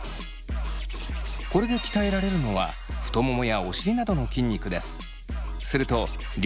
これで鍛えられるのは太ももやお尻などの筋肉です。